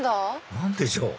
何でしょう？